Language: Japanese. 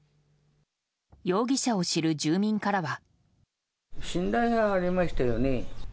容疑者を知る住民からは。